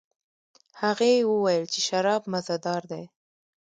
هغې وویل چې شراب مزه دار دي.